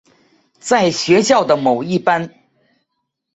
在学校的某一班。